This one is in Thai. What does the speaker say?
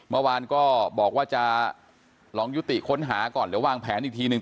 เมื่อวานก็บอกว่าจะลองยุติค้นหาก่อนเดี๋ยววางแผนอีกทีหนึ่ง